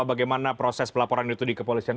bagaimana proses pelaporan itu di kepolisian